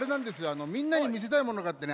あのみんなにみせたいものがあってね